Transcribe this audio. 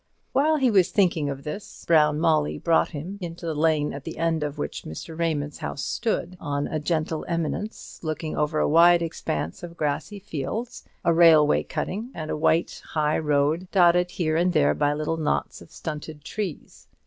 While he was thinking of this, Brown Molly brought him into the lane at the end of which Mr. Raymond's house stood, on a gentle eminence, looking over a wide expanse of grassy fields, a railway cutting, and a white high road, dotted here and there by little knots of stunted trees.